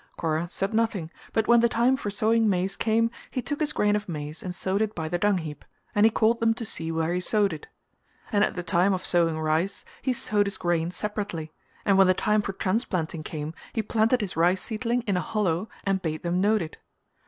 Kora said nothing but when the time for sowing maize came he took his grain of maize and sowed it by the dung heap, and he called them to see where he sowed it; and at the time of sowing rice he sowed his grain separately, and when the time for transplanting came he planted his rice seedling in a hollow and bade them note it.